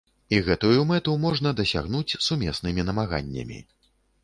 І гэтую мэту можна дасягнуць сумеснымі намаганнямі.